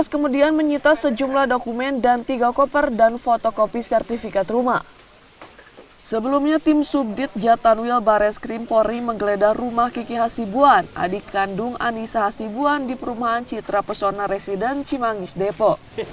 sebelumnya tim subdit jatanwil barres krim polri menggeledah rumah kiki hasibuan adik kandung anissa hasibuan di perumahan citra pesona residen cimangis depo